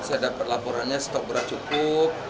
saya dapat laporannya stok beras cukup